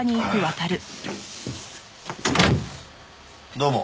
どうも。